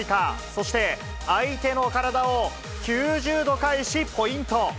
そして、相手の体を９０度返し、ポイント。